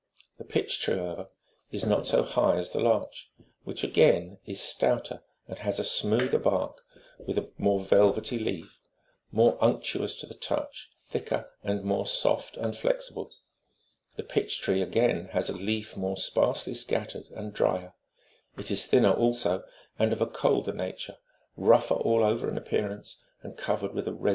The pitch tree, however, is not so high as the larch ; which, again, is stouter, and has a smoother back, with a more velvety leaf, more unctuous to the touch, thicker, and more soft and flexi ble.26 The pitch tree, again, has a leaf more sparsely scattered and drier ; it is thinner also, and of a colder nature, rougher all over in appearance, and covered with a resinous deposit : the wood of this tree is most like that of the fir.